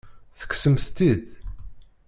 Tekksemt-t-id?